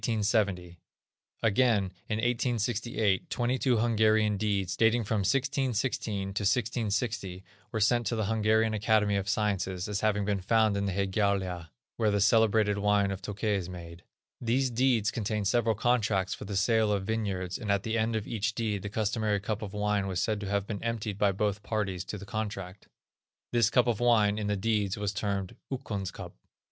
Again, in 1868, twenty two Hungarian deeds, dating from 1616 1660, were sent to the Hungarian Academy of Sciences, as having been found in the Hegyalja, where the celebrated wine of Tokay is made. These deeds contained several contracts for the sale of vineyards, and at the end of each deed the customary cup of wine was said to have been emptied by both parties to the contract. This cup of wine, in the deeds, was termed, "Ukkon's cup."